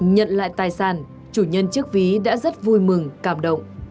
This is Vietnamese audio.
nhận lại tài sản chủ nhân chiếc ví đã rất vui mừng cảm động